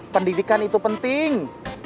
pendidikan itu penting